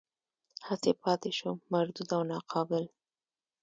هسې پاتې شوم مردود او ناقابل.